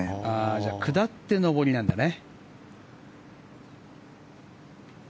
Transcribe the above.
じゃあ下って上りなんだね。